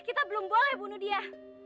kita belum boleh bunuh dia